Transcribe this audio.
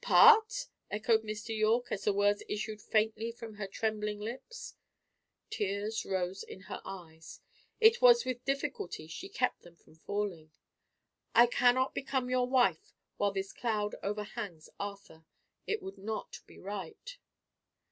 "Part?" echoed Mr. Yorke, as the words issued faintly from her trembling lips. Tears rose to her eyes; it was with difficulty she kept them from falling. "I cannot become your wife while this cloud overhangs Arthur. It would not be right."